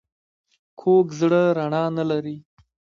کوږ زړه رڼا نه لري